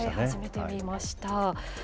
初めて見ました。